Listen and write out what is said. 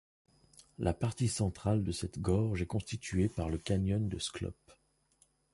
La partie centrale de cette gorge est constituée par le canyon de Sklop.